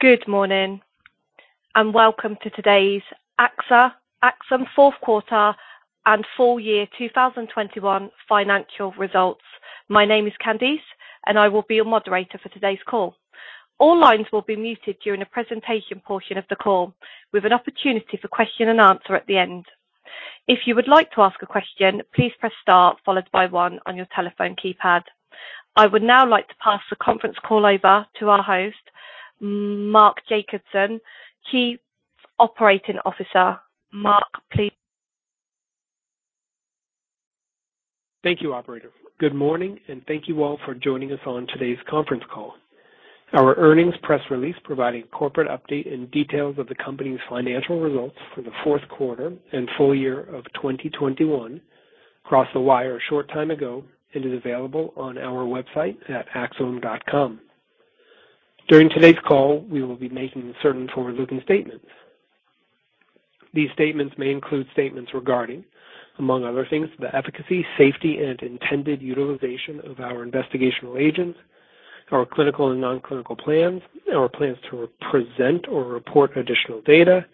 Good morning, and welcome to today's Axsome Q4 and full year 2021 financial results. My name is Candice, and I will be your moderator for today's call. All lines will be muted during the presentation portion of the call with an opportunity for question and answer at the end. If you would like to ask a question, please press star followed by one on your telephone keypad. I would now like to pass the conference call over to our host, Mark Jacobson, Chief Operating Officer. Mark, please. Thank you, operator. Good morning, and thank you all for joining us on today's conference call. Our earnings press release, providing corporate update and details of the company's financial results for the Q4 and full year of 2021 crossed the wire a short time ago and is available on our website at axsome.com. During today's call, we will be making certain forward-looking statements. These statements may include statements regarding, among other things, the efficacy, safety, and intended utilization of our investigational agents, our clinical and non-clinical plans, our plans to present or report additional data,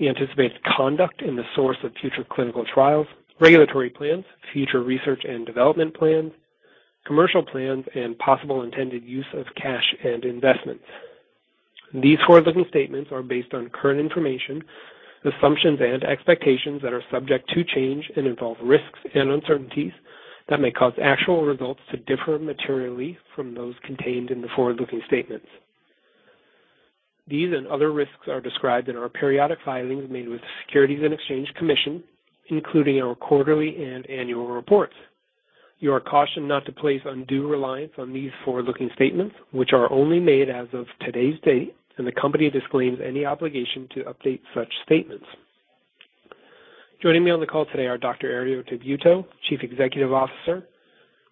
the anticipated conduct and the source of future clinical trials, regulatory plans, future research and development plans, commercial plans, and possible intended use of cash and investments. These forward-looking statements are based on current information, assumptions and expectations that are subject to change and involve risks and uncertainties that may cause actual results to differ materially from those contained in the forward-looking statements. These and other risks are described in our periodic filings made with the Securities and Exchange Commission, including our quarterly and annual reports. You are cautioned not to place undue reliance on these forward-looking statements, which are only made as of today's date, and the company disclaims any obligation to update such statements. Joining me on the call today are Dr. Herriot Tabuteau, Chief Executive Officer,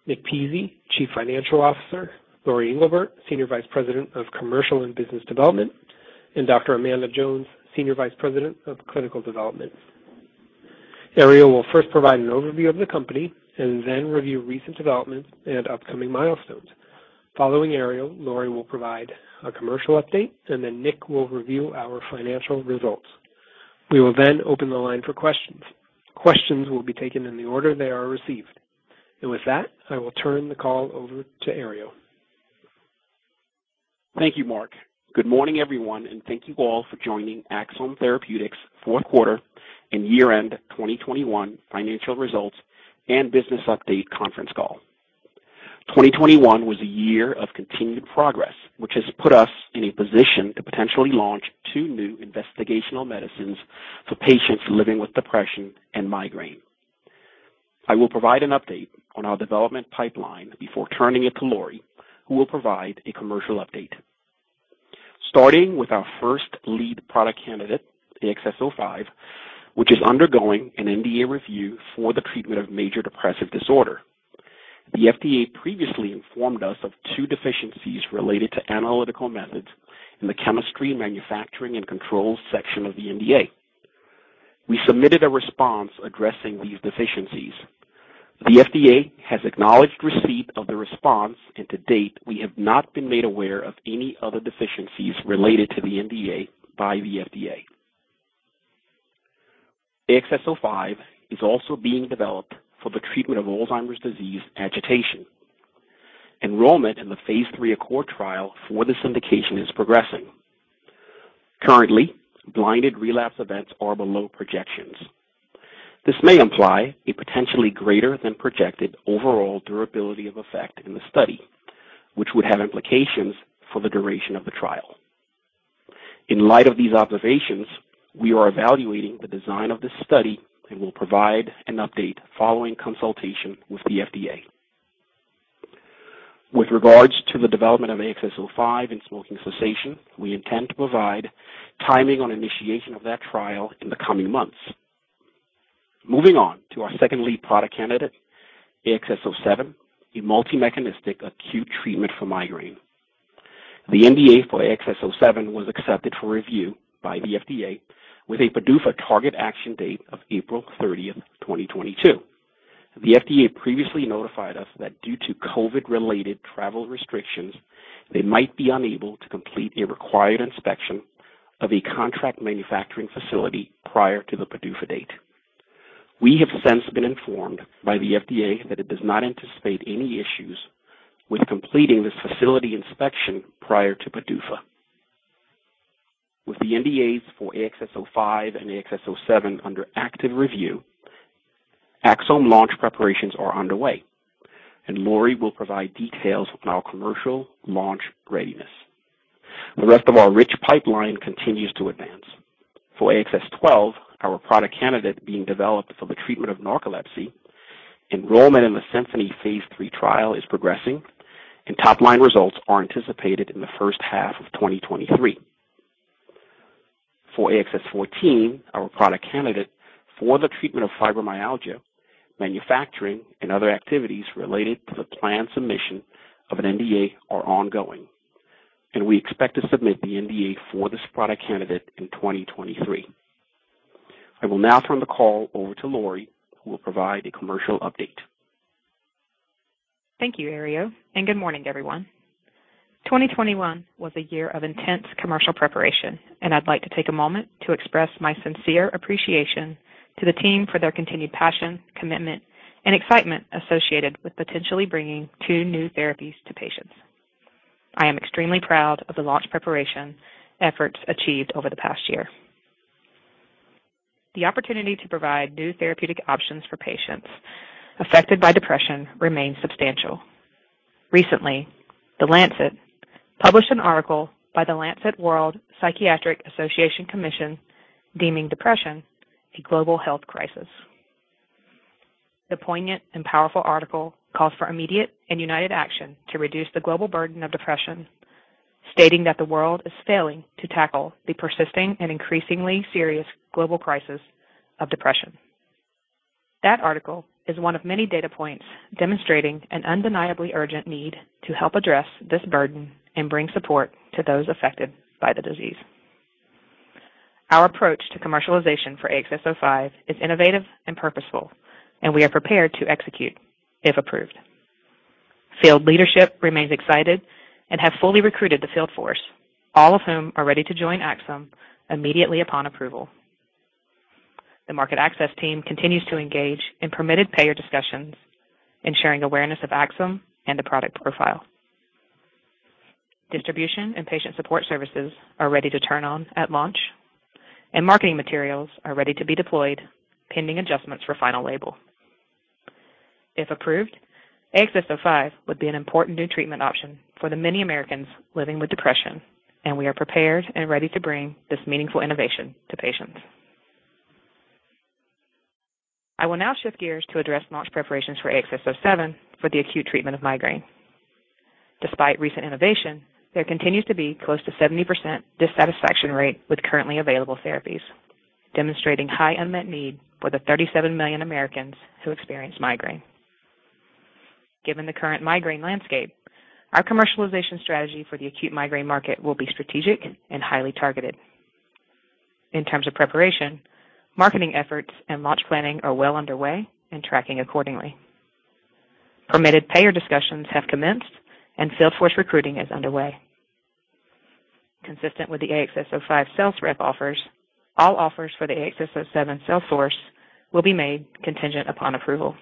Nick Pizzi, Chief Financial Officer, Lori Englebert, Senior Vice President of Commercial and Business Development, and Dr. Amanda Jones, Senior Vice President of Clinical Development. Herriot will first provide an overview of the company and then review recent developments and upcoming milestones. Following Herriot Tabuteau, Lori Englebert will provide a commercial update, and then Nick Pizzi will review our financial results. We will then open the line for questions. Questions will be taken in the order they are received. With that, I will turn the call over to Herriot Tabuteau. Thank you, Mark. Good morning, everyone, and thank you all for joining Axsome Therapeutics' Q4 and year-end 2021 financial results and business update conference call. 2021 was a year of continued progress, which has put us in a position to potentially launch two new investigational medicines for patients living with depression and migraine. I will provide an update on our development pipeline before turning it to Lori, who will provide a commercial update. Starting with our first lead product candidate, AXS-05, which is undergoing an NDA review for the treatment of major depressive disorder. The FDA previously informed us of two deficiencies related to analytical methods in the Chemistry, Manufacturing and Control section of the NDA. We submitted a response addressing these deficiencies. The FDA has acknowledged receipt of the response, and to date, we have not been made aware of any other deficiencies related to the NDA by the FDA. AXS-05 is also being developed for the treatment of Alzheimer's disease agitation. Enrollment in the phase III ACCORD trial for this indication is progressing. Currently, blinded relapse events are below projections. This may imply a potentially greater than projected overall durability of effect in the study, which would have implications for the duration of the trial. In light of these observations, we are evaluating the design of this study and will provide an update following consultation with the FDA. With regards to the development of AXS-05 in smoking cessation, we intend to provide timing on initiation of that trial in the coming months. Moving on to our second lead product candidate, AXS-07, a multi-mechanistic acute treatment for migraine. The NDA for AXS-07 was accepted for review by the FDA with a PDUFA target action date of April 30, 2022. The FDA previously notified us that due to COVID-related travel restrictions, they might be unable to complete a required inspection of a contract manufacturing facility prior to the PDUFA date. We have since been informed by the FDA that it does not anticipate any issues with completing this facility inspection prior to PDUFA. With the NDAs for AXS-05 and AXS-07 under active review, Axsome launch preparations are underway, and Lori will provide details on our commercial launch readiness. The rest of our rich pipeline continues to advance. For AXS-12, our product candidate being developed for the treatment of narcolepsy, enrollment in the SYMPHONY phase III trial is progressing, and top-line results are anticipated in the H1 of 2023. For AXS-14, our product candidate for the treatment of fibromyalgia, manufacturing and other activities related to the planned submission of an NDA are ongoing, and we expect to submit the NDA for this product candidate in 2023. I will now turn the call over to Lori, who will provide a commercial update. Thank you, Herriot, and good morning, everyone. 2021 was a year of intense commercial preparation, and I'd like to take a moment to express my sincere appreciation to the team for their continued passion, commitment, and excitement associated with potentially bringing two new therapies to patients. I am extremely proud of the launch preparation efforts achieved over the past year. The opportunity to provide new therapeutic options for patients affected by depression remains substantial. Recently, The Lancet published an article by The Lancet-World Psychiatric Association Commission deeming depression a global health crisis. The poignant and powerful article calls for immediate and united action to reduce the global burden of depression, stating that the world is failing to tackle the persisting and increasingly serious global crisis of depression. That article is one of many data points demonstrating an undeniably urgent need to help address this burden and bring support to those affected by the disease. Our approach to commercialization for AXS-05 is innovative and purposeful, and we are prepared to execute if approved. Field leadership remains excited and have fully recruited the field force, all of whom are ready to join Axsome immediately upon approval. The market access team continues to engage in permitted payer discussions, ensuring awareness of Axsome and the product profile. Distribution and patient support services are ready to turn on at launch, and marketing materials are ready to be deployed pending adjustments for final label. If approved, AXS-05 would be an important new treatment option for the many Americans living with depression, and we are prepared and ready to bring this meaningful innovation to patients. I will now shift gears to address launch preparations for AXS-07 for the acute treatment of migraine. Despite recent innovation, there continues to be close to 70% dissatisfaction rate with currently available therapies, demonstrating high unmet need for the 37 million Americans who experience migraine. Given the current migraine landscape, our commercialization strategy for the acute migraine market will be strategic and highly targeted. In terms of preparation, marketing efforts and launch planning are well underway and tracking accordingly. Permitted payer discussions have commenced and sales force recruiting is underway. Consistent with the AXS-05 sales rep offers, all offers for the AXS-07 sales force will be made contingent upon approval.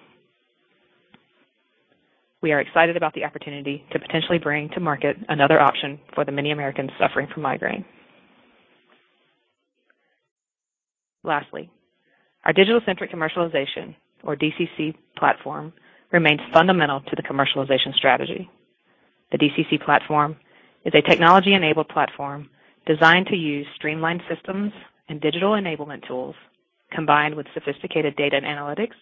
We are excited about the opportunity to potentially bring to market another option for the many Americans suffering from migraine. Lastly, our Digital-Centric Commercialization or DCC platform remains fundamental to the commercialization strategy. The DCC platform is a technology-enabled platform designed to use streamlined systems and digital enablement tools combined with sophisticated data and analytics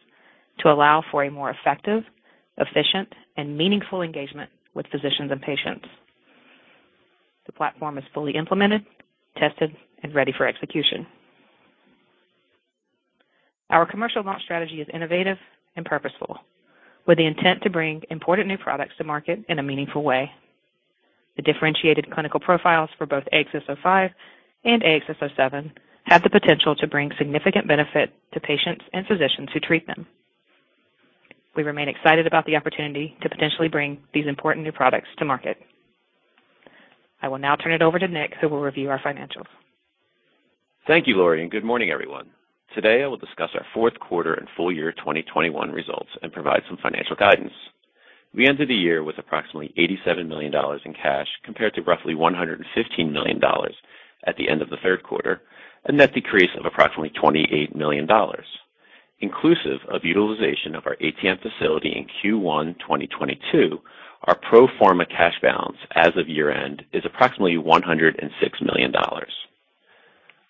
to allow for a more effective, efficient, and meaningful engagement with physicians and patients. The platform is fully implemented, tested, and ready for execution. Our commercial launch strategy is innovative and purposeful, with the intent to bring important new products to market in a meaningful way. The differentiated clinical profiles for both AXS-05 and AXS-07 have the potential to bring significant benefit to patients and physicians who treat them. We remain excited about the opportunity to potentially bring these important new products to market. I will now turn it over to Nick, who will review our financials. Thank you, Lori, and good morning, everyone. Today, I will discuss our Q4 and full year 2021 results and provide some financial guidance. We ended the year with approximately $87 million in cash compared to roughly $115 million at the end of the Q3 a net decrease of approximately $28 million. Inclusive of utilization of our ATM facility in Q1 2022, our pro forma cash balance as of year-end is approximately $106 million.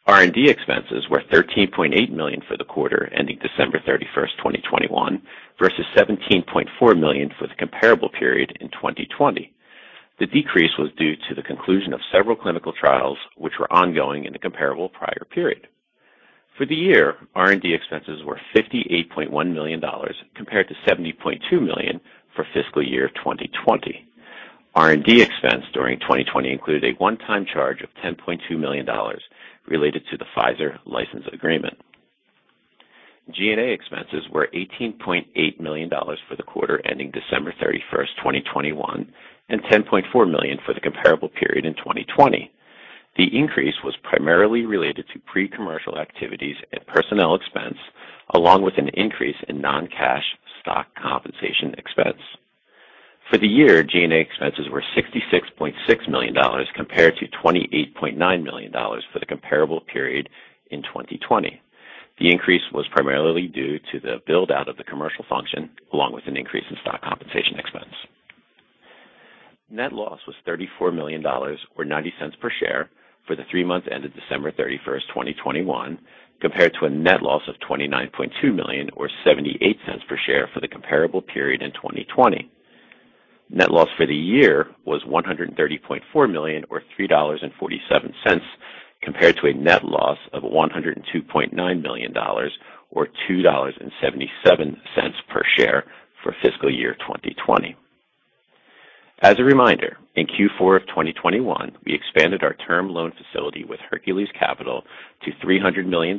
R&D expenses were $13.8 million for the quarter ending December 31, 2021 versus $17.4 million for the comparable period in 2020. The decrease was due to the conclusion of several clinical trials which were ongoing in the comparable prior period. For the year, R&D expenses were $58.1 million compared to $70.2 million for fiscal year of 2020. R&D expense during 2020 included a one-time charge of $10.2 million related to the Pfizer license agreement. G&A expenses were $18.8 million for the quarter ending December 31, 2021, and $10.4 million for the comparable period in 2020. The increase was primarily related to pre-commercial activities and personnel expense, along with an increase in non-cash stock compensation expense. For the year, G&A expenses were $66.6 million compared to $28.9 million for the comparable period in 2020. The increase was primarily due to the build-out of the commercial function, along with an increase in stock compensation expense. Net loss was $34 million, or $0.90 per share for the three months ended December 31, 2021, compared to a net loss of $29.2 million or $0.78 per share for the comparable period in 2020. Net loss for the year was $130.4 million or $3.47, compared to a net loss of $102.9 million or $2.77 per share for fiscal year 2020. As a reminder, in Q4 of 2021, we expanded our term loan facility with Hercules Capital to $300 million,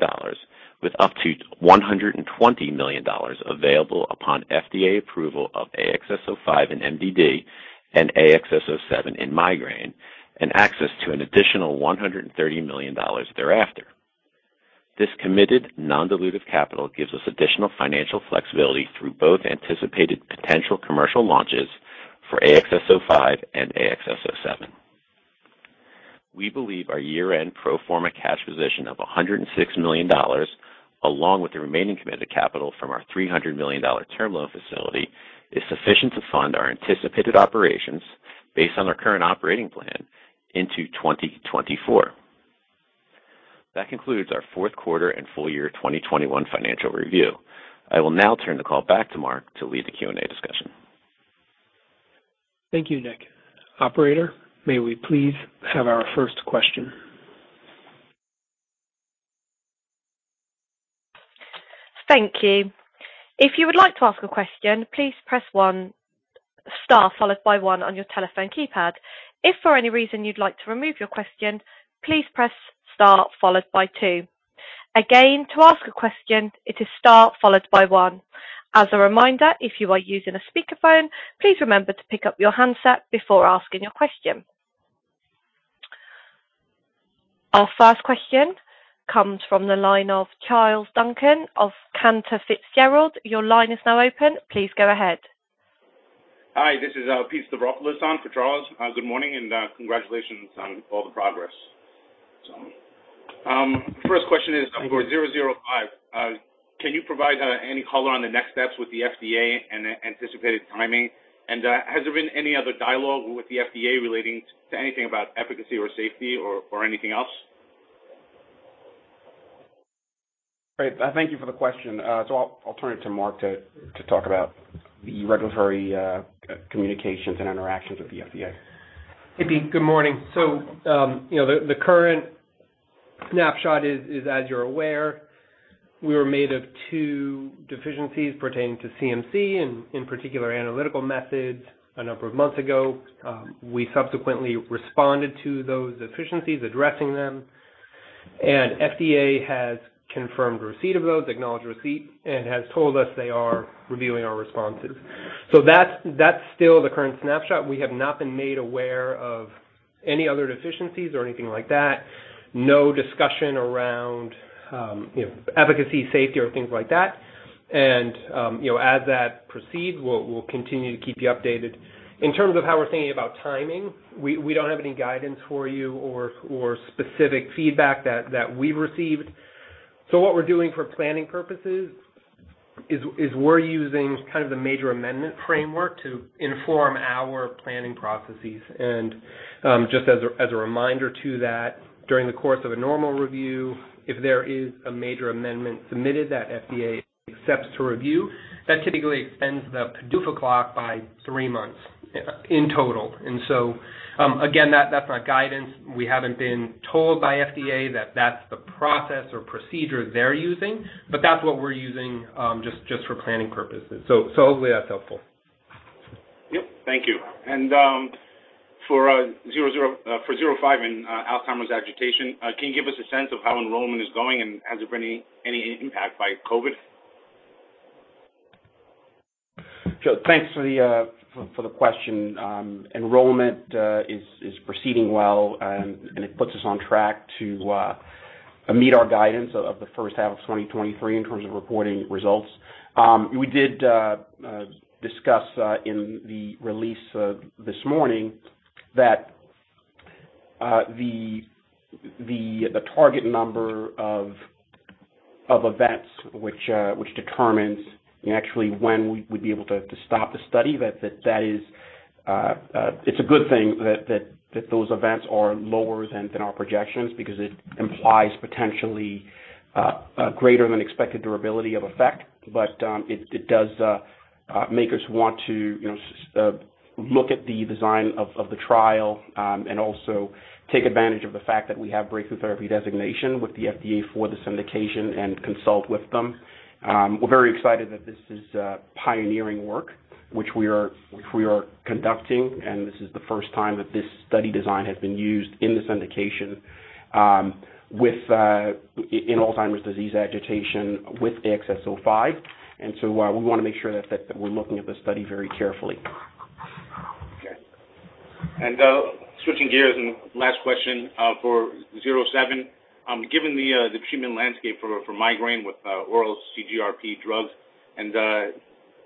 with up to $120 million available upon FDA approval of AXS-05 in MDD and AXS-07 in migraine and access to an additional $130 million thereafter. This committed non-dilutive capital gives us additional financial flexibility through both anticipated potential commercial launches for AXS-05 and AXS-07. We believe our year-end pro forma cash position of $106 million, along with the remaining committed capital from our $300 million term loan facility, is sufficient to fund our anticipated operations based on our current operating plan into 2024. That concludes our fourth quarter and full year 2021 financial review. I will now turn the call back to Mark to lead the Q&A discussion. Thank you, Nick. Operator, may we please have our first question? Thank you. If you would like to ask a question, please press star followed by one on your telephone keypad. If for any reason you'd like to remove your question, please press star followed by two. Again, to ask a question, it is star followed by one. As a reminder, if you are using a speakerphone, please remember to pick up your handset before asking your question. Our first question comes from the line of Charles Duncan of Cantor Fitzgerald. Your line is now open. Please go ahead. Hi, this is Peter Zoccolillo for Charles Duncan. Good morning, and congratulations on all the progress. First question is for AXS-05. Can you provide any color on the next steps with the FDA and anticipated timing? Has there been any other dialogue with the FDA relating to anything about efficacy or safety or anything else? Great. Thank you for the question. I'll turn it to Mark to talk about the regulatory communications and interactions with the FDA. Hey, Pete. Good morning. You know, the current snapshot is, as you're aware, we were made aware of two deficiencies pertaining to CMC and in particular analytical methods a number of months ago. We subsequently responded to those deficiencies addressing them, and FDA has confirmed receipt of those, acknowledged receipt, and has told us they are reviewing our responses. That's still the current snapshot. We have not been made aware of any other deficiencies or anything like that. No discussion around efficacy, safety, or things like that. You know, as that proceed, we'll continue to keep you updated. In terms of how we're thinking about timing, we don't have any guidance for you or specific feedback that we received. What we're doing for planning purposes is we're using kind of the major amendment framework to inform our planning processes. Just as a reminder to that, during the course of a normal review, if there is a major amendment submitted that FDA accepts to review, that typically extends the PDUFA clock by three months in total. Again, that's not guidance. We haven't been told by FDA that that's the process or procedure they're using. That's what we're using just for planning purposes. Hopefully that's helpful. Yep. Thank you. For AXS-05 and Alzheimer's agitation, can you give us a sense of how enrollment is going, and has there been any impact by COVID? Sure. Thanks for the question. Enrollment is proceeding well, and it puts us on track to meet our guidance of the H1 of 2023 in terms of reporting results. We did discuss in the release this morning that the target number of events which determines actually when we would be able to stop the study, that is. It's a good thing that those events are lower than our projections because it implies potentially greater than expected durability of effect. It does make us want to, you know, look at the design of the trial, and also take advantage of the fact that we have breakthrough therapy designation with the FDA for this indication and consult with them. We're very excited that this is pioneering work which we are conducting, and this is the first time that this study design has been used in this indication, in Alzheimer's disease agitation with AXS-05. We wanna make sure that we're looking at the study very carefully. Okay. Switching gears and last question for AXS-07. Given the treatment landscape for migraine with oral CGRP drugs and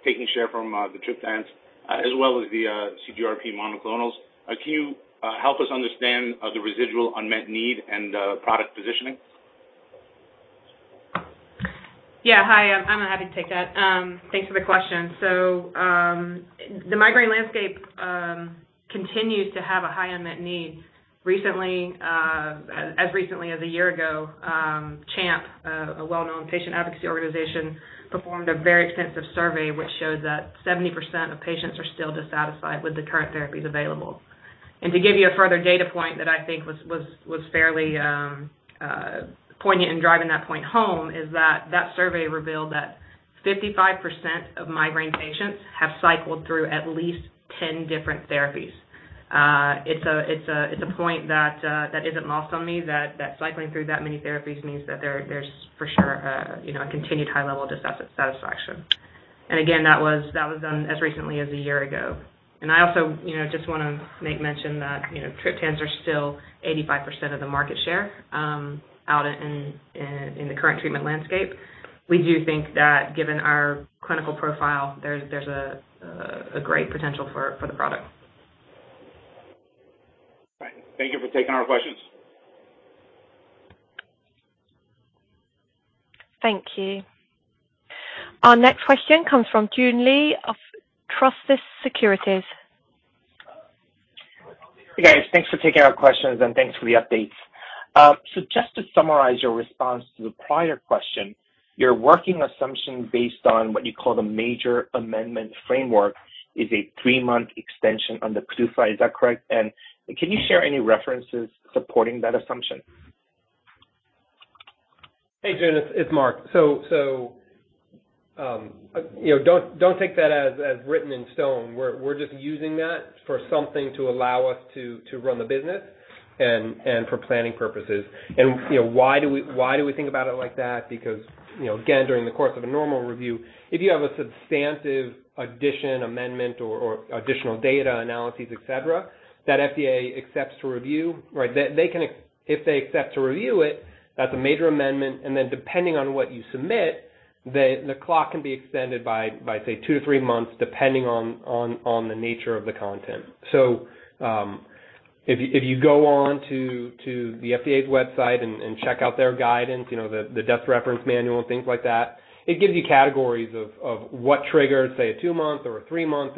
taking share from the triptans as well as the CGRP monoclonals, can you help us understand the residual unmet need and product positioning? Yeah. Hi, I'm happy to take that. Thanks for the question. The migraine landscape continues to have a high unmet need. Recently, as recently as a year ago, CHAMP, a well-known patient advocacy organization, performed a very extensive survey, which showed that 70% of patients are still dissatisfied with the current therapies available. To give you a further data point that I think was fairly poignant in driving that point home is that that survey revealed that 55% of migraine patients have cycled through at least 10 different therapies. It's a point that isn't lost on me that cycling through that many therapies means that there's for sure, you know, a continued high level of dissatisfaction. That was done as recently as a year ago. I also, you know, just wanna make mention that, you know, triptans are still 85% of the market share out in the current treatment landscape. We do think that given our clinical profile, there's a great potential for the product. Right. Thank you for taking our questions. Thank you. Our next question comes from Joon Lee of Truist Securities. Hey, guys. Thanks for taking our questions, and thanks for the updates. Just to summarize your response to the prior question, your working assumption based on what you call the major amendment framework is a three-month extension on the PDUFA, is that correct? Can you share any references supporting that assumption? Hey, Joon, it's Mark. Don't take that as written in stone. We're just using that for something to allow us to run the business and for planning purposes. You know, why do we think about it like that? Because, you know, again, during the course of a normal review, if you have a substantive addition, amendment or additional data analyses, et cetera, that FDA accepts to review, right? They can. If they accept to review it, that's a major amendment, and then depending on what you submit, the clock can be extended by, say, two to three months, depending on the nature of the content. If you go on to the FDA's website and check out their guidance, you know, the death reference manual and things like that, it gives you categories of what triggers, say, a 2-month or a 3-month.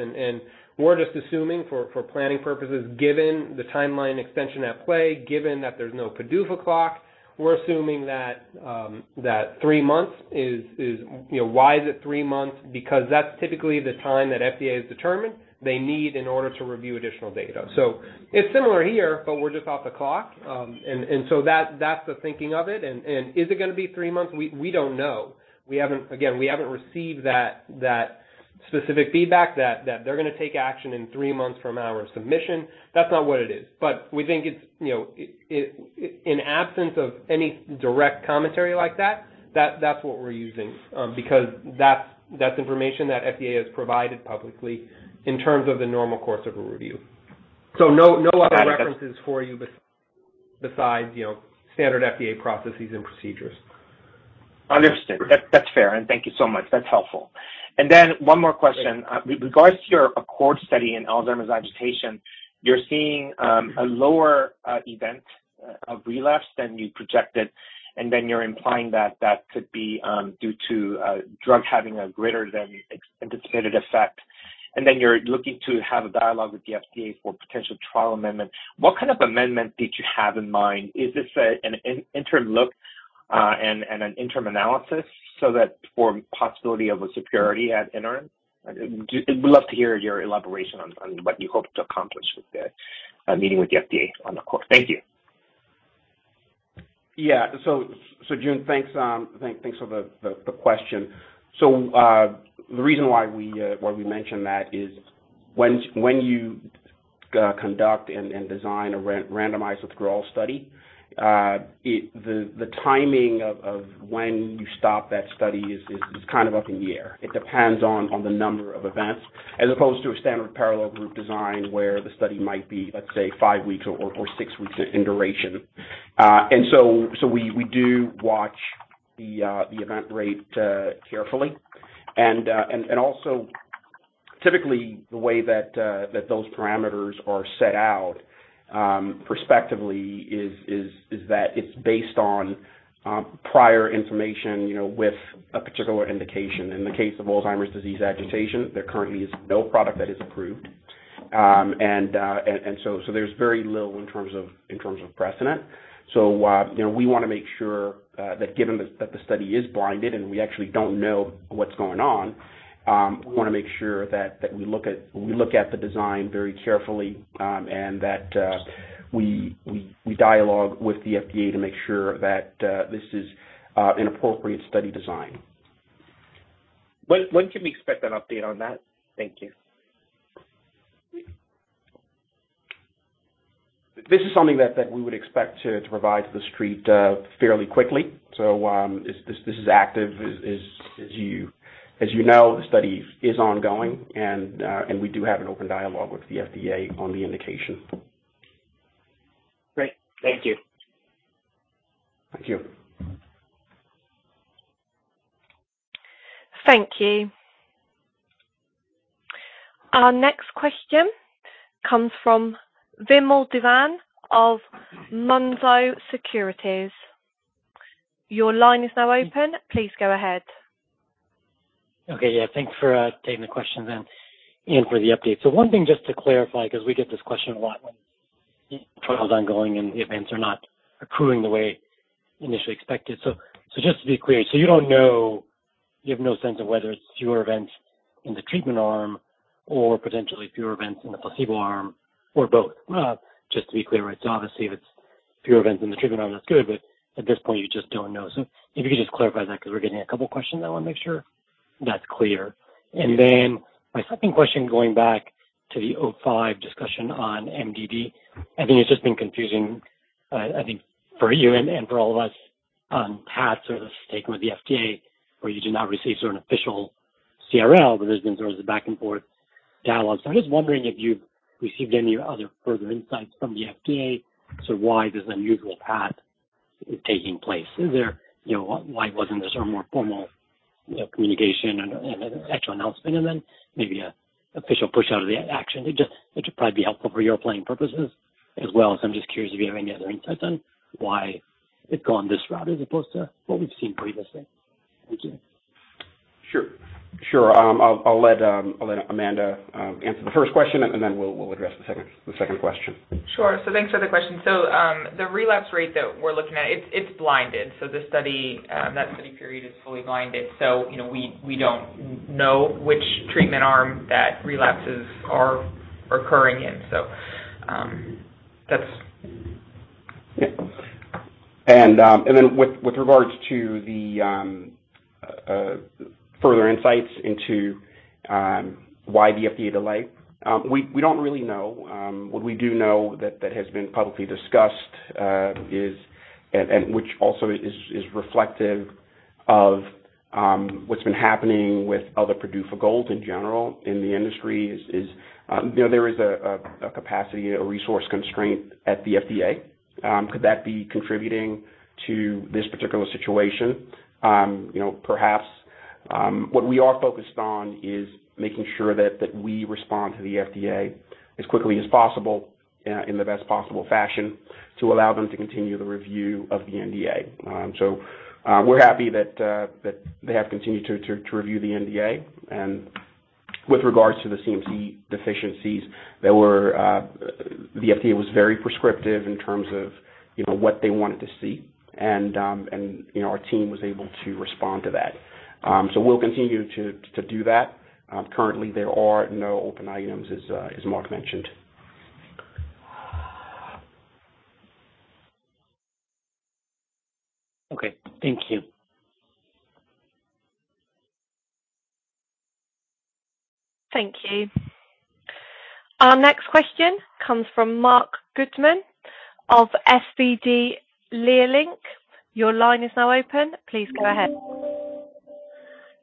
We're just assuming for planning purposes, given the timeline extension at play, given that there's no PDUFA clock, we're assuming that 3 months is, you know. Why is it 3 months? Because that's typically the time that FDA has determined they need in order to review additional data. It's similar here, but we're just off the clock. That's the thinking of it. Is it gonna be 3 months? We don't know. We haven't received that specific feedback that they're gonna take action in three months from our submission. That's not what it is. We think it's, you know, in absence of any direct commentary like that's what we're using. Because that's information that FDA has provided publicly in terms of the normal course of a review. No other references for you besides, you know, standard FDA processes and procedures. Understood. That's fair, and thank you so much. That's helpful. One more question. Great. With regards to your core study in Alzheimer's agitation, you're seeing a lower event of relapse than you projected, and then you're implying that that could be due to a drug having a greater than anticipated effect. You're looking to have a dialogue with the FDA for potential trial amendment. What kind of amendment did you have in mind? Is this an in-interim look, and an interim analysis so that for possibility of a superiority at interim? Would love to hear your elaboration on what you hope to accomplish with the meeting with the FDA on the call. Thank you. Joon, thanks for the question. The reason why we mention that is when you conduct and design a randomized withdrawal study. The timing of when you stop that study is kind of up in the air. It depends on the number of events, as opposed to a standard parallel group design where the study might be, let's say, five weeks or six weeks in duration. We do watch the event rate carefully. Also, typically, the way that those parameters are set out prospectively is that it's based on prior information, you know, with a particular indication. In the case of Alzheimer's disease agitation, there currently is no product that is approved. There's very little in terms of precedent. You know, we wanna make sure that given this, the study is blinded and we actually don't know what's going on. We wanna make sure that we look at the design very carefully, and that we dialogue with the FDA to make sure that this is an appropriate study design. When can we expect an update on that? Thank you. This is something that we would expect to provide to the street fairly quickly. This is active. As you know, the study is ongoing and we do have an open dialogue with the FDA on the indication. Great. Thank you. Thank you. Thank you. Our next question comes from Vamil Divan of Mizuho Securities. Your line is now open. Please go ahead. Okay. Yeah, thanks for taking the questions and for the update. One thing just to clarify, because we get this question a lot when the trial's ongoing and the events are not accruing the way initially expected. Just to be clear, you don't know- You have no sense of whether it's fewer events in the treatment arm or potentially fewer events in the placebo arm or both? Just to be clear, right. Obviously, if it's fewer events in the treatment arm, that's good, but at this point, you just don't know. If you could just clarify that because we're getting a couple questions. I want to make sure that's clear. Then my second question, going back to the AXS-05 discussion on MDD, I think it's just been confusing, I think for you and for all of us on the path or the stage with the FDA, where you do not receive sort of an official CRL. There's been sort of the back and forth dialogue. I'm just wondering if you've received any other further insights from the FDA as to why this unusual path is taking place. Is there, you know, why wasn't there some more formal, you know, communication and an actual announcement and then maybe an official push out of the action? It just, it should probably be helpful for your planning purposes as well. I'm just curious if you have any other insights on why they've gone this route as opposed to what we've seen previously. Thank you. Sure. I'll let Amanda answer the first question, and then we'll address the second question. Sure. Thanks for the question. The relapse rate that we're looking at, it's blinded. The study that study period is fully blinded. You know, we don't know which treatment arm that relapses are occurring in. That's. Then with regards to the further insights into why the FDA delay, we don't really know. What we do know that has been publicly discussed is, and which also is reflective of, what's been happening with other PDUFA goals in general in the industry, is, you know, there is a capacity, a resource constraint at the FDA. Could that be contributing to this particular situation? You know, perhaps. What we are focused on is making sure that we respond to the FDA as quickly as possible in the best possible fashion to allow them to continue the review of the NDA. We're happy that they have continued to review the NDA. With regards to the CMC deficiencies, there were, the FDA was very prescriptive in terms of, you know, what they wanted to see. And, and, you know, our team was able to respond to that. We'll continue to do that. Currently, there are no open items, as Mark mentioned. Okay. Thank you. Thank you. Our next question comes from Marc Goodman of SVB Leerink. Your line is now open. Please go ahead.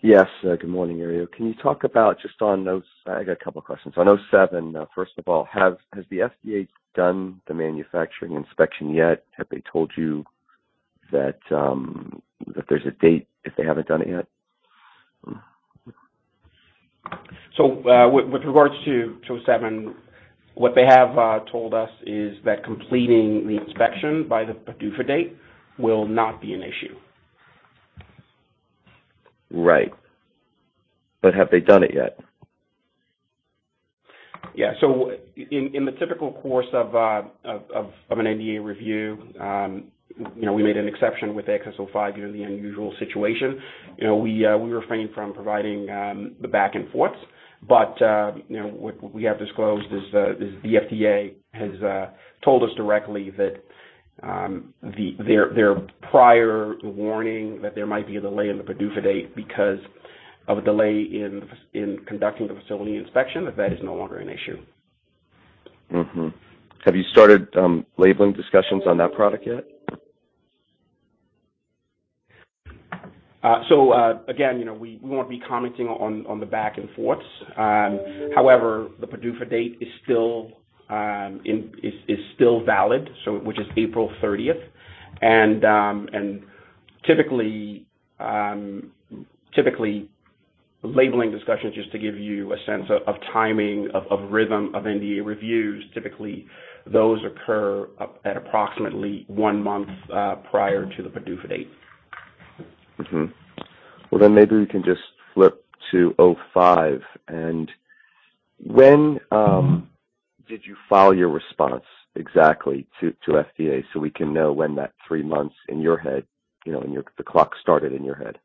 Yes. Good morning, Herriot. Can you talk about just on those. I got a couple questions. On AXS-07, first of all, has the FDA done the manufacturing inspection yet? Have they told you that there's a date if they haven't done it yet? With regards to AXS-07, what they have told us is that completing the inspection by the PDUFA date will not be an issue. Right. Have they done it yet? In the typical course of an NDA review, you know, we made an exception with AXS-05 due to the unusual situation. You know, we refrained from providing the back and forths. You know, what we have disclosed is the FDA has told us directly that their prior warning that there might be a delay in the PDUFA date because of a delay in conducting the facility inspection, that is no longer an issue. Mm-hmm. Have you started labeling discussions on that product yet? Again, you know, we won't be commenting on the back and forth. However, the PDUFA date is still valid, which is April 30. Typically labeling discussions, just to give you a sense of timing of rhythm of NDA reviews, typically those occur at approximately one month prior to the PDUFA date. Mm-hmm. Well, maybe we can just flip to 05. Mm-hmm. Did you file your response exactly to FDA so we can know when that 3 months in your head, you know, when the clock started in your head?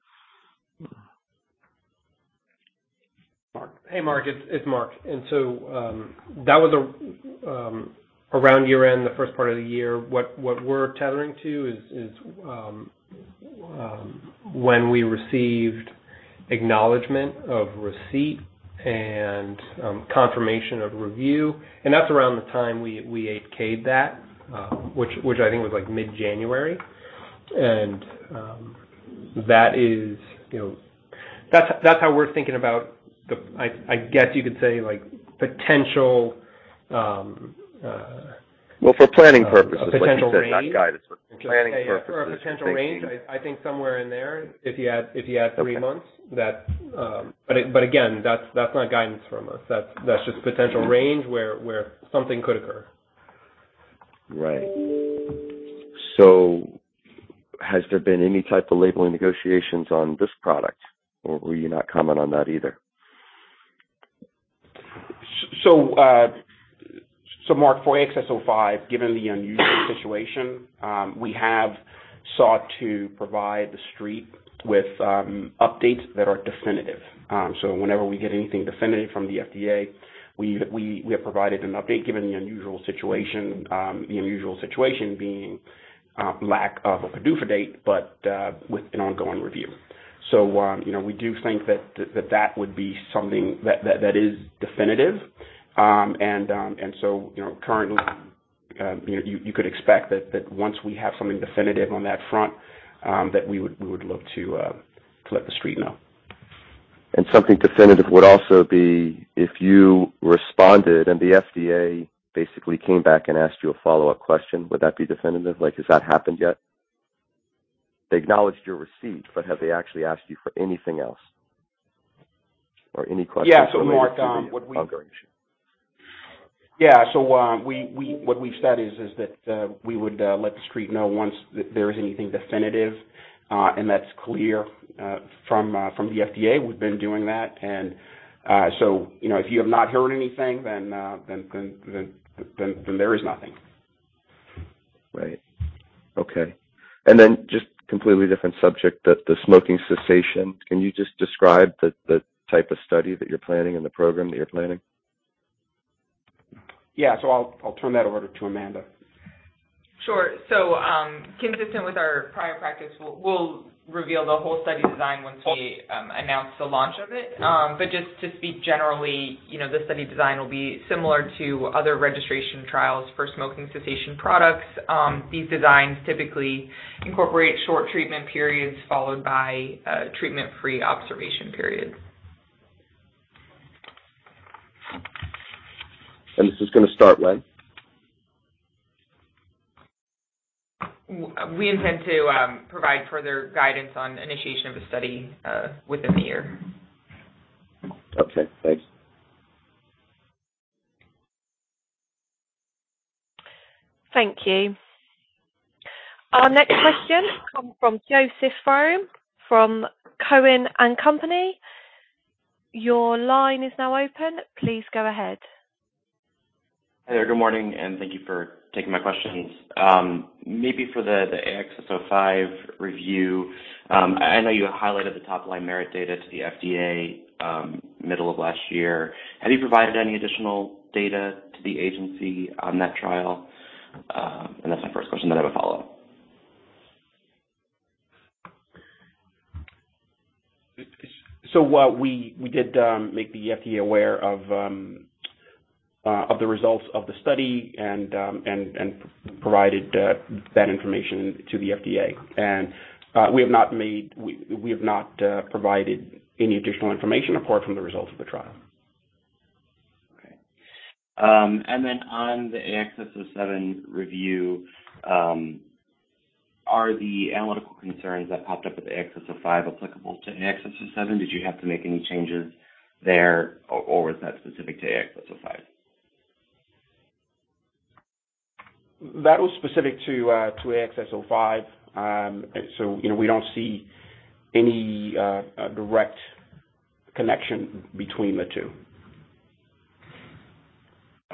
Mark. Hey, Mark. It's Mark. That was around year-end, the first part of the year. What we're tethering to is when we received acknowledgment of receipt and confirmation of review, and that's around the time we 8-K'd that, which I think was like mid-January. That is, you know, that's how we're thinking about the. I guess you could say like potential. Well, for planning purposes. a potential range. Like you said, not guidance, but planning purposes. For a potential range. I think somewhere in there, if you add three months. Okay. That, but again, that's not guidance from us. That's just potential range where something could occur. Right. Has there been any type of labeling negotiations on this product, or will you not comment on that either? Mark, for AXS-05, given the unusual situation, we have sought to provide the street with updates that are definitive. Whenever we get anything definitive from the FDA, we have provided an update, given the unusual situation, the unusual situation being lack of a PDUFA date, but with an ongoing review. You know, we do think that would be something that is definitive. You know, currently, you could expect that once we have something definitive on that front, that we would look to let the street know. Something definitive would also be if you responded and the FDA basically came back and asked you a follow-up question, would that be definitive? Like, has that happened yet? They acknowledged your receipt, but have they actually asked you for anything else or any questions related to the- Yeah. Mark, what we- Okay. Yeah. What we've said is that we would let the street know once there is anything definitive, and that's clear from the FDA. We've been doing that. You know, if you have not heard anything then there is nothing. Right. Okay. Just completely different subject, the smoking cessation. Can you just describe the type of study that you're planning and the program that you're planning? Yeah. I'll turn that over to Amanda. Sure. Consistent with our prior practice, we'll reveal the whole study design once we announce the launch of it. Just to speak generally, you know, the study design will be similar to other registration trials for smoking cessation products. These designs typically incorporate short treatment periods followed by a treatment-free observation period. This is gonna start when? We intend to provide further guidance on initiation of a study within the year. Okay, thanks. Thank you. Our next question comes from Joseph Thome, from Cowen and Company. Your line is now open. Please go ahead. Hi there. Good morning, and thank you for taking my questions. Maybe for the AXS-05 review, I know you highlighted the top line MERIT data to the FDA, middle of last year. Have you provided any additional data to the agency on that trial? And that's my first question, then I have a follow-up. What we did make the FDA aware of the results of the study and provided that information to the FDA. We have not provided any additional information apart from the results of the trial. Okay. On the AXS-07 review, are the analytical concerns that popped up with AXS-05 applicable to AXS-07? Did you have to make any changes there or was that specific to AXS-05? That was specific to AXS-05. You know, we don't see any direct connection between the two.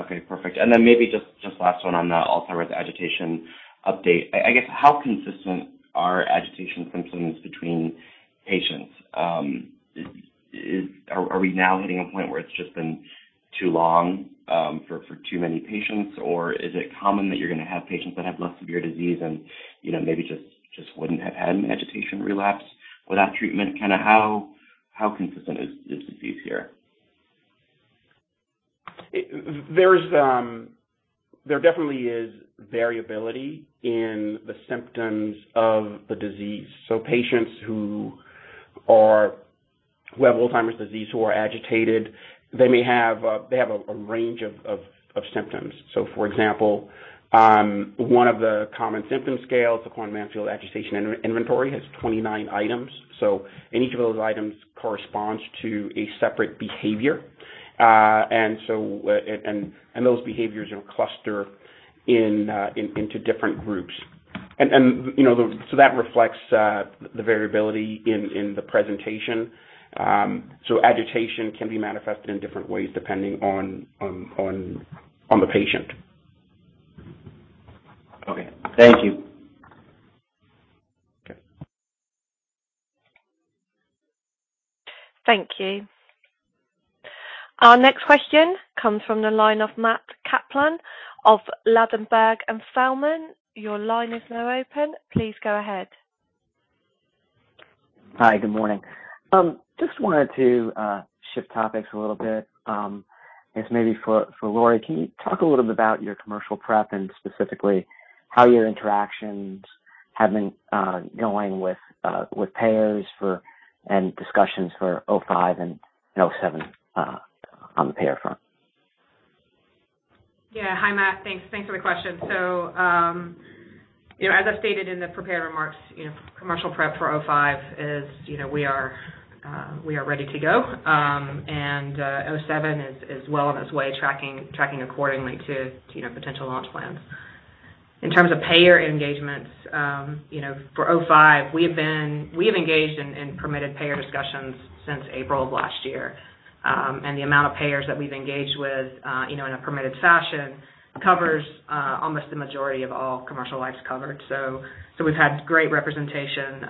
Okay, perfect. Then maybe just last one on the Alzheimer's agitation update. I guess, how consistent are agitation symptoms between patients? Are we now hitting a point where it's just been too long for too many patients, or is it common that you're gonna have patients that have less severe disease and, you know, maybe just wouldn't have had an agitation relapse without treatment? Kind of how consistent is the disease here? There's definitely is variability in the symptoms of the disease. Patients who have Alzheimer's disease who are agitated, they may have, they have a range of symptoms. For example, one of the common symptom scales, the Cohen-Mansfield Agitation Inventory, has 29 items. Each of those items corresponds to a separate behavior. Those behaviors are clustered into different groups. That reflects the variability in the presentation. Agitation can be manifested in different ways depending on the patient. Okay. Thank you. Okay. Thank you. Our next question comes from the line of Matt Kaplan of Ladenburg Thalmann. Your line is now open. Please go ahead. Hi. Good morning. Just wanted to shift topics a little bit, I guess maybe for Lori. Can you talk a little bit about your commercial prep and specifically how your interactions have been going with payers and discussions for 05 and 07 on the payer front? Hi, Matt. Thanks for the question. As I stated in the prepared remarks, you know, commercial prep for 05 is, you know, we are ready to go. 07 is well on its way tracking accordingly to, you know, potential launch plans. In terms of payer engagements, you know, for AXS-05, we have engaged in permitted payer discussions since April of last year. The amount of payers that we've engaged with, you know, in a permitted fashion covers almost the majority of all commercial lives covered. We've had great representation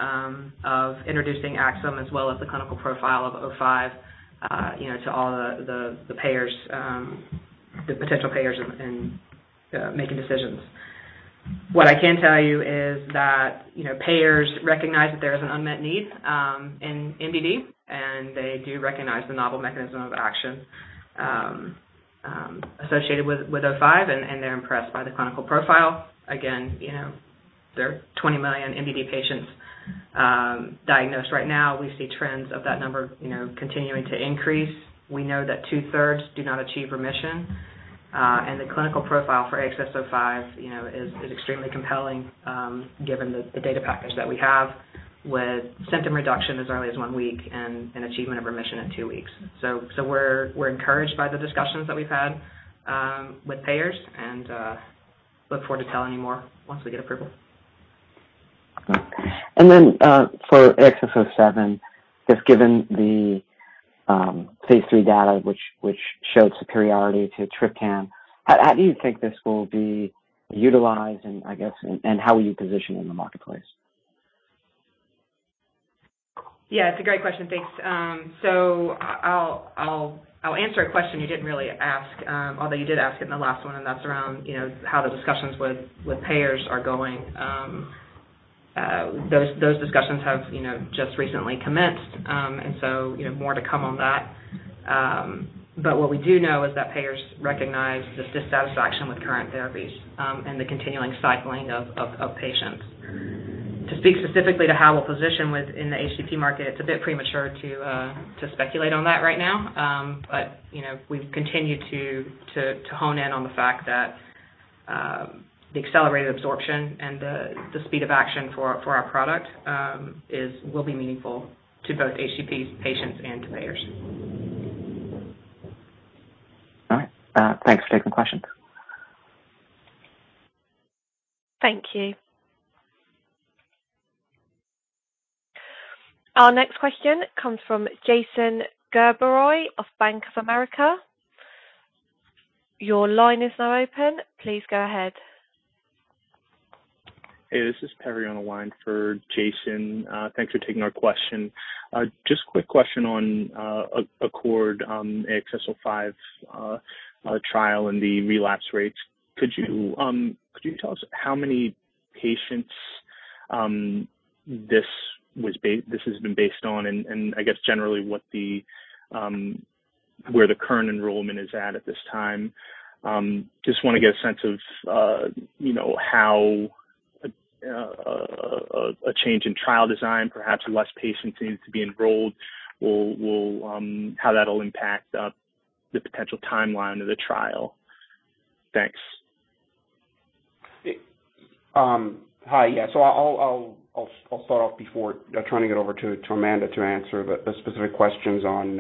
of introducing Axsome as well as the clinical profile of AXS-05, you know, to all the payers, the potential payers in making decisions. What I can tell you is that, you know, payers recognize that there is an unmet need in MDD, and they do recognize the novel mechanism of action associated with AXS-05, and they're impressed by the clinical profile. Again, you know, there are 20 million MDD patients diagnosed right now. We see trends of that number, you know, continuing to increase. We know that two-thirds do not achieve remission. The clinical profile for AXS-05, you know, is extremely compelling, given the data package that we have with symptom reduction as early as one week and an achievement of remission in two weeks. We're encouraged by the discussions that we've had with payers and look forward to telling you more once we get approval. Then, for AXS-07, just given the phase III data which showed superiority to triptan, how do you think this will be utilized and I guess and how will you position in the marketplace? Yeah, it's a great question. Thanks. So I'll answer a question you didn't really ask, although you did ask it in the last one, and that's around, you know, how the discussions with payers are going. Those discussions have, you know, just recently commenced. More to come on that. But what we do know is that payers recognize the dissatisfaction with current therapies, and the continuing cycling of patients. To speak specifically to how we'll position within the HCP market, it's a bit premature to speculate on that right now. But, you know, we've continued to hone in on the fact that the accelerated absorption and the speed of action for our product will be meaningful to both HCPs, patients, and to payers. All right. Thanks for taking the question. Thank you. Our next question comes from Jason Gerberry of Bank of America. Your line is now open. Please go ahead. Hey, this is Perry on the line for Jason. Thanks for taking our question. Just a quick question on ACORD, AXS-05 trial and the relapse rates. Could you tell us how many patients this has been based on, and I guess generally where the current enrollment is at this time? Just wanna get a sense of, you know, how a change in trial design, perhaps less patients need to be enrolled will impact the potential timeline of the trial. Thanks. Hi. Yeah, so I'll start off before turning it over to Amanda to answer the specific questions on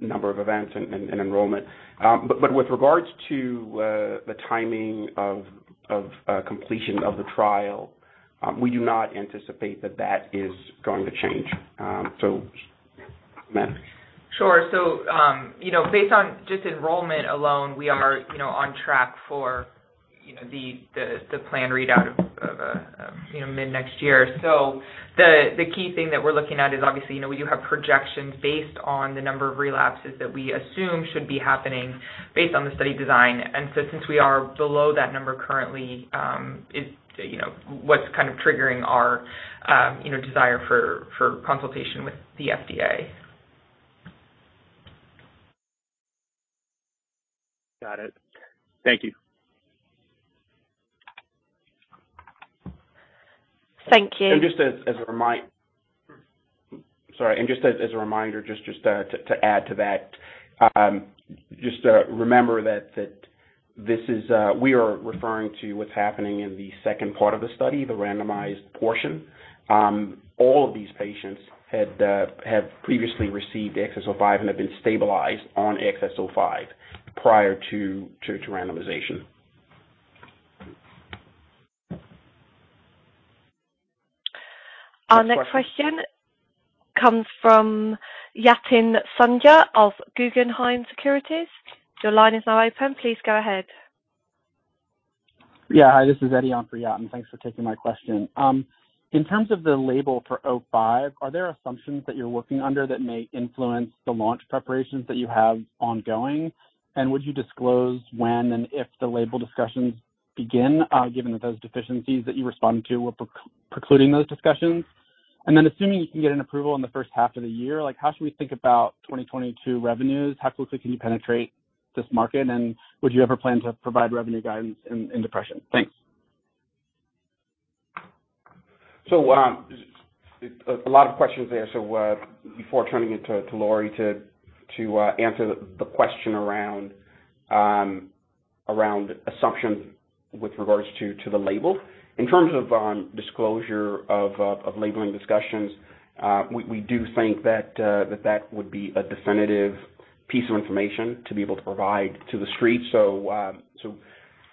number of events and enrollment. With regards to the timing of completion of the trial, we do not anticipate that is going to change. Amanda. Sure. So, you know, based on just enrollment alone, we are, you know, on track for, you know, the planned readout of, you know, mid-next year. The key thing that we're looking at is obviously, you know, we do have projections based on the number of relapses that we assume should be happening based on the study design. Since we are below that number currently, it's, you know, what's kind of triggering our, you know, desire for consultation with the FDA. Got it. Thank you. Thank you. Just as a reminder, just to add to that, just remember that this is, we are referring to what's happening in the second part of the study, the randomized portion. All of these patients had previously received AXS-05 and have been stabilized on AXS-05 prior to randomization. Our next question comes from Yatin Suneja of Guggenheim Securities. Your line is now open. Please go ahead. Yeah. Hi, this is Eddie on for Yatin. Thanks for taking my question. In terms of the label for AXS-05, are there assumptions that you're working under that may influence the launch preparations that you have ongoing? Would you disclose when and if the label discussions begin, given that those deficiencies that you responded to were precluding those discussions? Assuming you can get an approval in the H1 of the year, how should we think about 2022 revenues? How closely can you penetrate this market? Would you ever plan to provide revenue guidance in depression? Thanks. A lot of questions there. Before turning it to Lori to answer the question around assumptions with regards to the label. In terms of disclosure of labeling discussions, we do think that that would be a definitive piece of information to be able to provide to the street.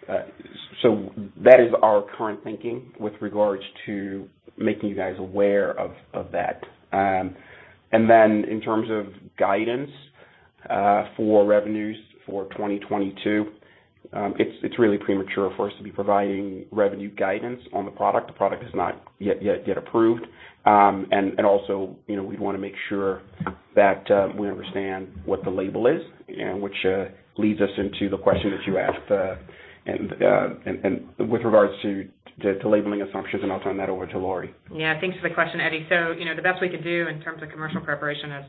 That is our current thinking with regards to making you guys aware of that. And then in terms of guidance for revenues for 2022, it's really premature for us to be providing revenue guidance on the product. The product is not yet approved. Also, you know, we wanna make sure that we understand what the label is and which leads us into the question that you asked, and with regards to labeling assumptions, and I'll turn that over to Lori. Yeah. Thanks for the question, Eddie. You know, the best we can do in terms of commercial preparation is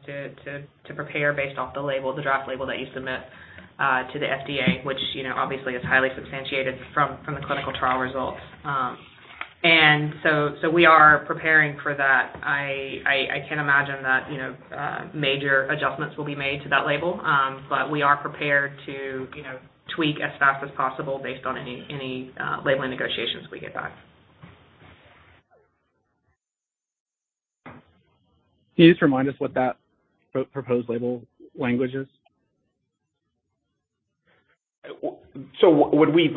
to prepare based off the label, the draft label that you submit to the FDA, which, you know, obviously is highly substantiated from the clinical trial results. We are preparing for that. I can't imagine that, you know, major adjustments will be made to that label, but we are prepared to, you know, tweak as fast as possible based on any labeling negotiations we get back. Can you just remind us what that proposed label language is? What we've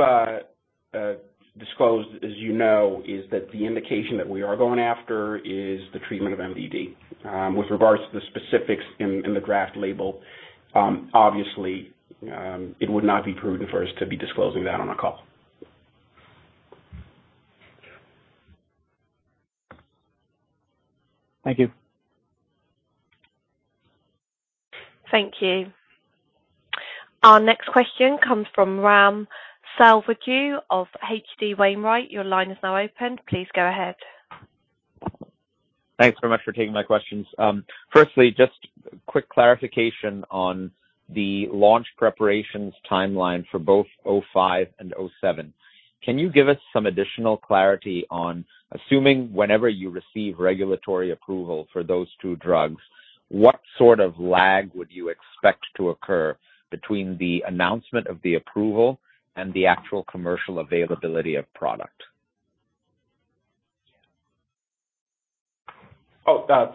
disclosed, as you know, is that the indication that we are going after is the treatment of MDD. With regards to the specifics in the draft label, obviously, it would not be prudent for us to be disclosing that on a call. Thank you. Thank you. Our next question comes from Ram Selvaraju of H.C. Wainwright. Your line is now open. Please go ahead. Thanks very much for taking my questions. Firstly, just quick clarification on the launch preparations timeline for both AXS-05 and AXS-07. Can you give us some additional clarity on, assuming whenever you receive regulatory approval for those two drugs, what sort of lag would you expect to occur between the announcement of the approval and the actual commercial availability of product?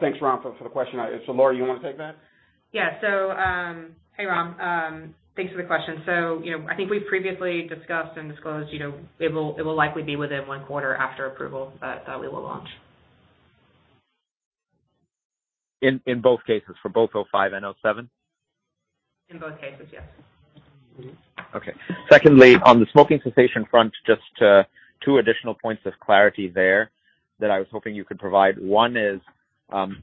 Thanks Ram for the question. Lori, you wanna take that? Yeah. Hey, Ram. Thanks for the question. You know, I think we've previously discussed and disclosed, you know, it will likely be within one quarter after approval that we will launch. In both cases, for both 05 and 07? In both cases, yes. Mm-hmm. Okay. Secondly, on the smoking cessation front, just two additional points of clarity there that I was hoping you could provide. One is,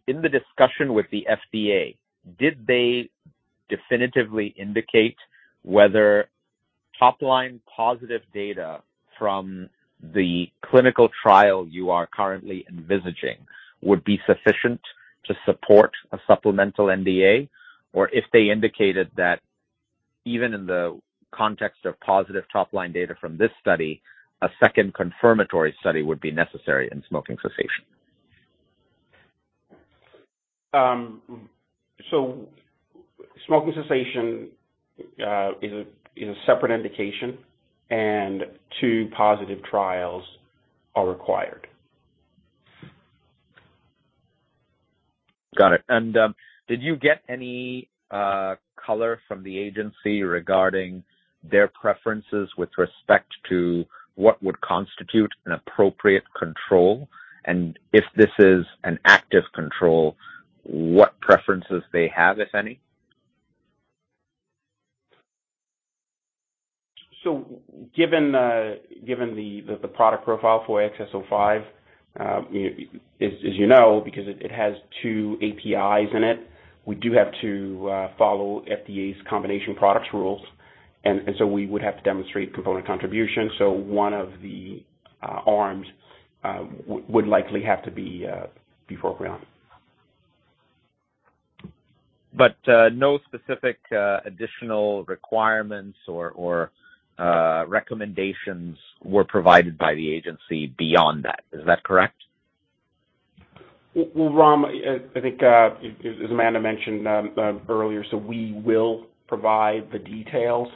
in the discussion with the FDA, did they definitively indicate whether top-line positive data from the clinical trial you are currently envisaging would be sufficient to support a supplemental NDA? Or if they indicated that even in the context of positive top-line data from this study, a second confirmatory study would be necessary in smoking cessation? Smoking cessation is a separate indication and 2 positive trials are required. Got it. Did you get any color from the agency regarding their preferences with respect to what would constitute an appropriate control and if this is an active control, what preferences they have, if any? Given the product profile for AXS-05, you know, as you know, because it has two APIs in it, we do have to follow FDA's combination products rules and so we would have to demonstrate component contribution. One of the arms would likely have to be bupropion. No specific additional requirements or recommendations were provided by the agency beyond that. Is that correct? Well, Ram, I think as Amanda mentioned earlier, we will provide the details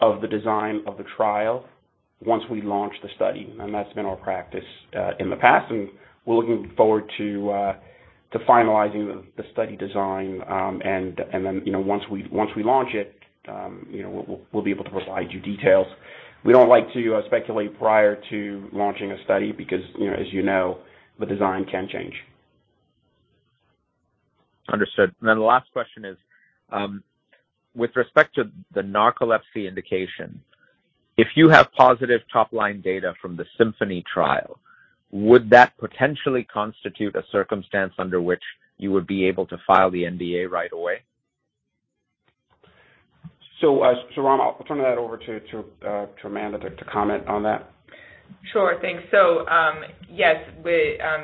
of the design of the trial once we launch the study. That's been our practice in the past, and we're looking forward to finalizing the study design. Then, you know, once we launch it, you know, we'll be able to provide you details. We don't like to speculate prior to launching a study because, you know, as you know, the design can change. Understood. The last question is, with respect to the narcolepsy indication, if you have positive top-line data from the SYMPHONY trial, would that potentially constitute a circumstance under which you would be able to file the NDA right away? Ram, I'll turn that over to Amanda to comment on that. Sure. Thanks. Yes,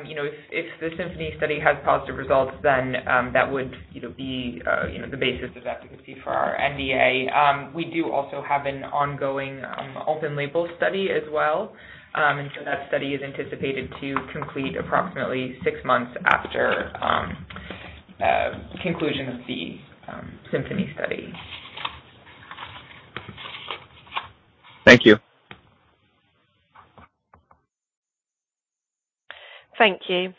you know, if the SYMPHONY study has positive results then that would, you know, be the basis of efficacy for our NDA. We do also have an ongoing open label study as well. That study is anticipated to complete approximately six months after conclusion of the SYMPHONY study. Thank you. Thank you.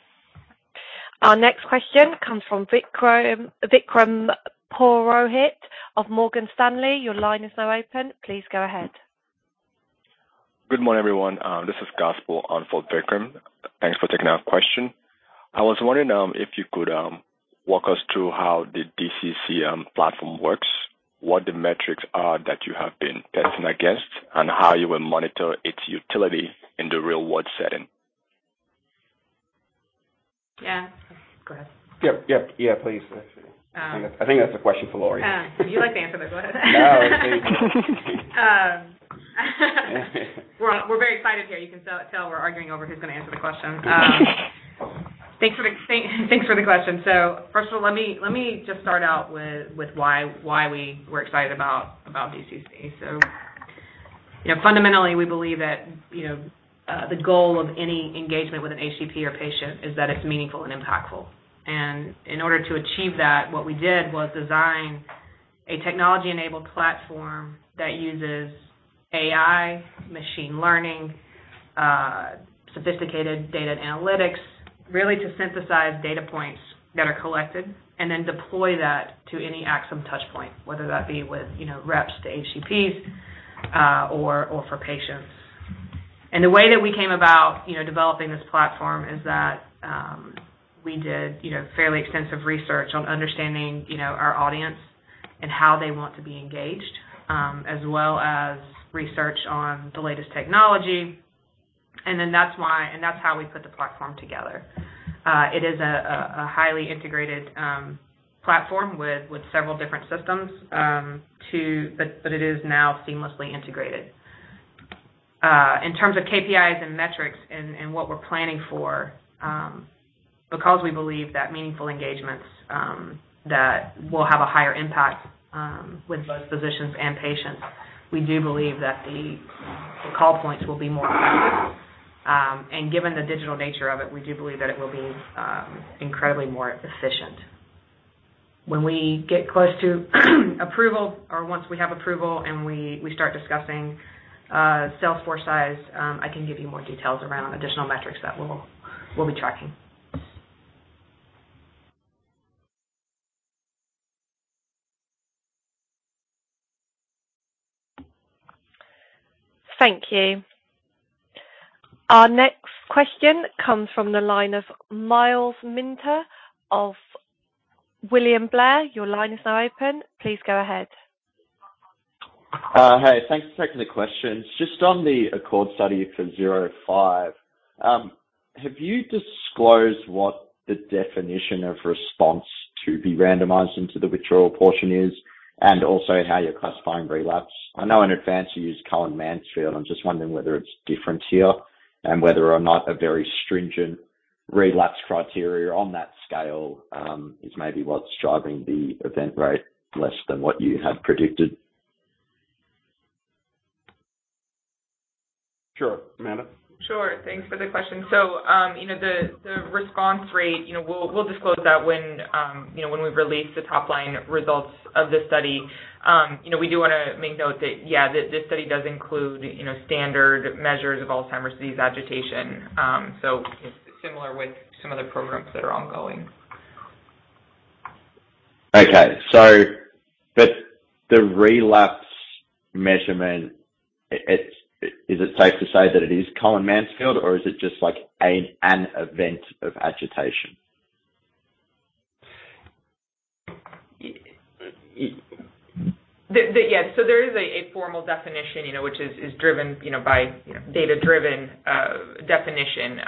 Our next question comes from Vikram Purohit of Morgan Stanley. Your line is now open. Please go ahead. Good morning, everyone. This is Gospel on for Vikram. Thanks for taking our question. I was wondering if you could walk us through how the DCC platform works, what the metrics are that you have been testing against, and how you will monitor its utility in the real-world setting. Yeah. Go ahead. Yep, yep. Yeah, please. Um. I think that's a question for Lori. Would you like to answer that? Go ahead. No. We're very excited here. You can tell we're arguing over who's gonna answer the question. Thanks for the question. First of all, let me just start out with why we were excited about DCC. You know, fundamentally, we believe that you know the goal of any engagement with an HCP or patient is that it's meaningful and impactful. And in order to achieve that, what we did was design a technology-enabled platform that uses AI, machine learning, sophisticated data and analytics really to synthesize data points that are collected and then deploy that to any Axsome touch point, whether that be with you know reps to HCPs or for patients. The way that we came about, you know, developing this platform is that, we did, you know, fairly extensive research on understanding, you know, our audience and how they want to be engaged, as well as research on the latest technology. That's how we put the platform together. It is a highly integrated platform with several different systems, but it is now seamlessly integrated. In terms of KPIs and metrics and what we're planning for, because we believe that meaningful engagements that will have a higher impact with both physicians and patients, we do believe that the call points will be more effective. Given the digital nature of it, we do believe that it will be incredibly more efficient. When we get close to approval or once we have approval and we start discussing sales force size, I can give you more details around additional metrics that we'll be tracking. Thank you. Our next question comes from the line of Myles Minter of William Blair. Your line is now open. Please go ahead. Hey, thanks for taking the questions. Just on the ACORD study for AXS-05, have you disclosed what the definition of response to be randomized into the withdrawal portion is and also how you're classifying relapse? I know in advance you use Cohen-Mansfield. I'm just wondering whether it's different here and whether or not a very stringent relapse criteria on that scale is maybe what's driving the event rate less than what you have predicted. Sure. Amanda. Sure. Thanks for the question. You know, the response rate, you know, we'll disclose that when you know when we release the top line results of the study. You know, we do wanna make note that, yeah, this study does include, you know, standard measures of Alzheimer's disease agitation. It's similar with some other programs that are ongoing. Okay. The relapse measurement, is it safe to say that it is Cohen-Mansfield or is it just like an event of agitation? Yeah. There is a formal definition, you know, which is driven, you know, by data-driven definition.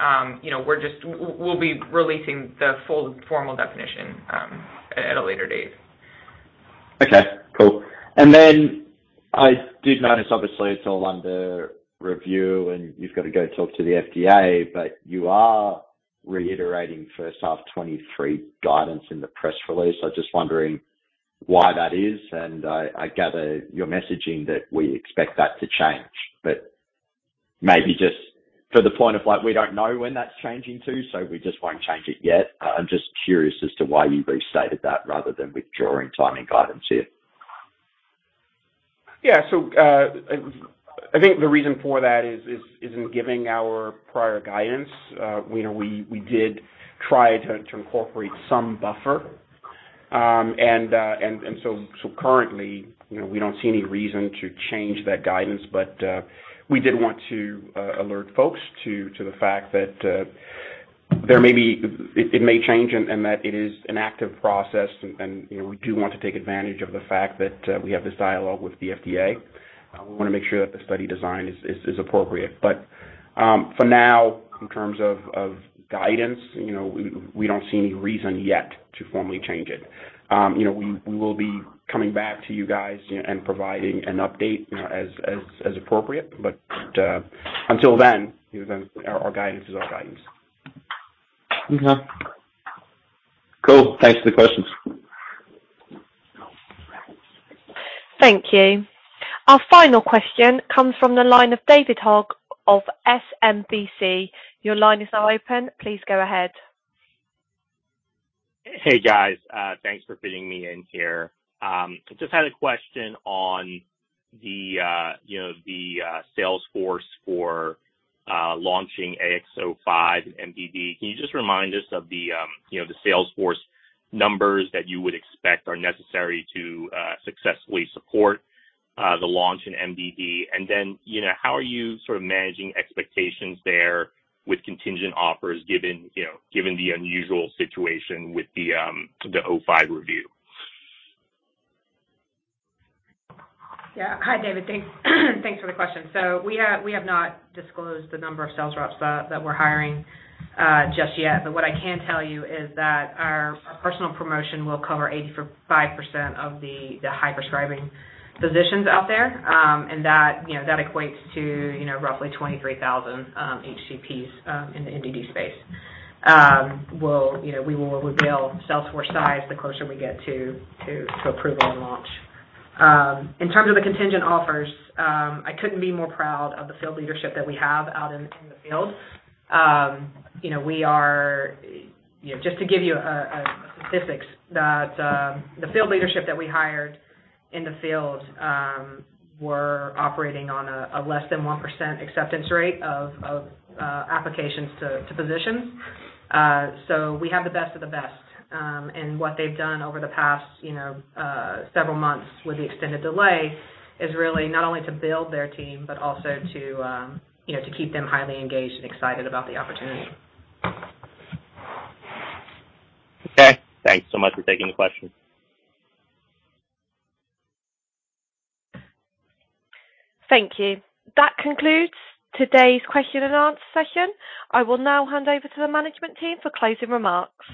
You know, we'll be releasing the full formal definition at a later date. Okay, cool. I did notice, obviously it's all under review, and you've got to go talk to the FDA, but you are reiterating H1 2023 guidance in the press release. I'm just wondering why that is. I gather you're messaging that we expect that to change, but maybe just for the point of, like, we don't know when that's changing to, so we just won't change it yet. I'm just curious as to why you restated that rather than withdrawing timing guidance here. Yeah. I think the reason for that is in giving our prior guidance, you know, we did try to incorporate some buffer. Currently, you know, we don't see any reason to change that guidance. We did want to alert folks to the fact that it may change and that it is an active process. You know, we do want to take advantage of the fact that we have this dialogue with the FDA. We wanna make sure that the study design is appropriate. For now, in terms of guidance, you know, we don't see any reason yet to formally change it. You know, we will be coming back to you guys and providing an update, you know, as appropriate. Until then, you know, our guidance is our guidance. Okay. Cool. Thanks for the question. Thank you. Our final question comes from the line of David Hoang of SMBC. Your line is now open. Please go ahead. Hey, guys. Thanks for fitting me in here. Just had a question on the sales force for launching AXS-05 and MDD. Can you just remind us of the sales force numbers that you would expect are necessary to successfully support the launch in MDD? And then, you know, how are you sort of managing expectations there with contingent offers given the unusual situation with the 05 review? Yeah. Hi, David. Thanks. Thanks for the question. We have not disclosed the number of sales reps that we're hiring just yet. What I can tell you is that our personal promotion will cover 85% of the high prescribing physicians out there. That equates to roughly 23,000 HCPs in the MDD space. We'll reveal sales force size the closer we get to approval and launch. In terms of the contingent offers, I couldn't be more proud of the field leadership that we have out in the field. You know, we are just to give you statistics that the field leadership that we hired in the field were operating on a less than 1% acceptance rate of applications to physicians. We have the best of the best. What they've done over the past you know several months with the extended delay is really not only to build their team, but also to you know to keep them highly engaged and excited about the opportunity. Okay. Thanks so much for taking the question. Thank you. That concludes today's question and answer session. I will now hand over to the management team for closing remarks.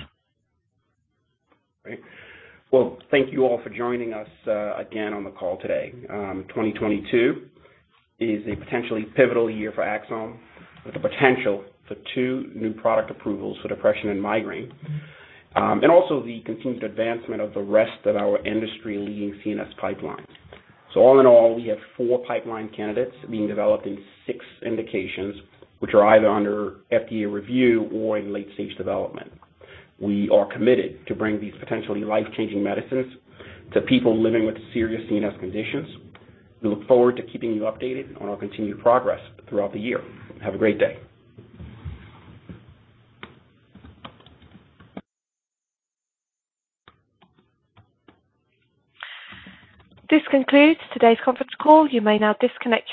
Great. Well, thank you all for joining us again on the call today. 2022 is a potentially pivotal year for Axsome, with the potential for 2 new product approvals for depression and migraine, and also the continued advancement of the rest of our industry-leading CNS pipeline. All in all, we have 4 pipeline candidates being developed in 6 indications which are either under FDA review or in late-stage development. We are committed to bring these potentially life-changing medicines to people living with serious CNS conditions. We look forward to keeping you updated on our continued progress throughout the year. Have a great day. This concludes today's conference call. You may now disconnect your lines.